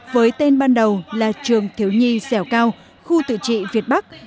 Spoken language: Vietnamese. với tên ban đầu là trường thiếu nhi dẻo cao khu tự trị việt bắc